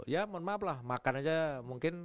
ya mohon maaf lah makan aja mungkin